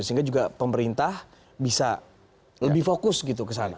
sehingga juga pemerintah bisa lebih fokus gitu ke sana